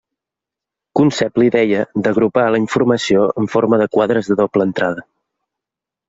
Concep la idea d'agrupar la informació en forma de quadres de doble entrada.